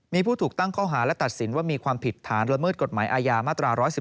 มีผู้ถูกตั้งข้อหาและตัดสินว่ามีความผิดฐานละเมิดกฎหมายอาญามาตรา๑๑๒